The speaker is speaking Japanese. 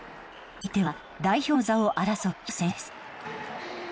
相手は代表の座を争う平野選手です。